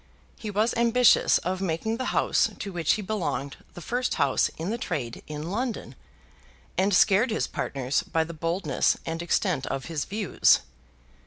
He was ambitious of making the house to which he belonged the first house in the trade in London, and scared his partners by the boldness and extent of his views.